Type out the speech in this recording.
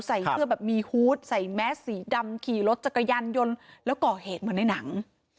ใส่เสื้อแบบมีฮูตใส่แมสสีดำขี่รถจักรยานยนต์แล้วก่อเหตุเหมือนในหนัง